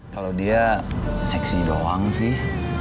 kalau dia seksi doang sih